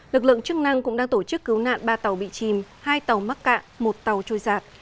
lực lượng chức năng cũng đang tổ chức cứu nạn ba tàu bị chìm hai tàu mắc cạn một tàu trôi giạt